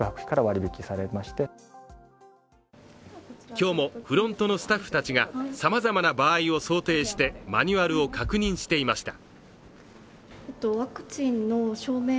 今日もフロントのスタッフたちがさまざまな場合を想定してマニュアルを確認していました。